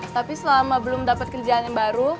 tapi selama belum dapat kerjaan yang baru